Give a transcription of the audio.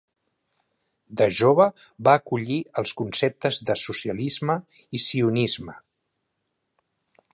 De jove va acollir els conceptes de socialisme i sionisme.